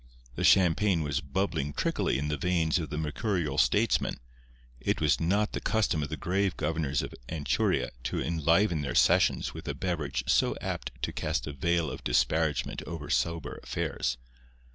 The champagne was bubbling trickily in the veins of the mercurial statesmen. It was not the custom of the grave governors of Anchuria to enliven their sessions with a beverage so apt to cast a veil of disparagement over sober affairs.